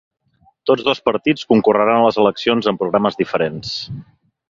Tots dos partits concorreran a les eleccions amb programes diferents.